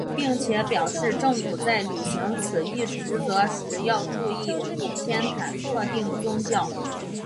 并且表示政府在履行此一职责时要注意勿偏袒特定宗教。